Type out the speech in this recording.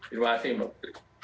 terima kasih mbak